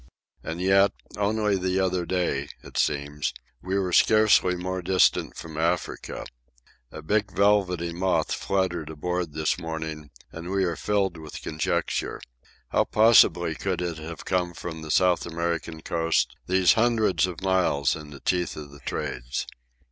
And yet, only the other day, it seems, we were scarcely more distant from Africa. A big velvety moth fluttered aboard this morning, and we are filled with conjecture. How possibly could it have come from the South American coast these hundreds of miles in the teeth of the trades?